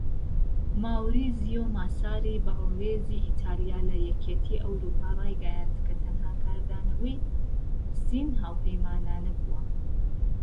ماوریزیۆ ماساری، باڵیۆزی ئیتاڵیا لە یەکێتی ئەوروپا ڕایگەیاند کە " تەنها کاردانەوەی سین هاوپەیمانانە بووە"